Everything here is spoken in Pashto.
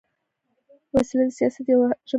وسله د سیاست یوه ژبه هم ده